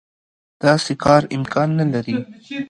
داسې کار امکان نه لري.